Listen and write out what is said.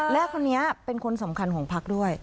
และคนนี้เป็นคนสำคัญของพักด้วย